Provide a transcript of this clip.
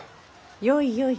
よいよい。